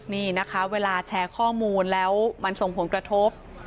นี่นะคะเวลาแชร์ข้อมูลแล้วมันส่งผลกระทบ